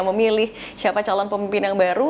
memilih siapa calon pemimpin yang baru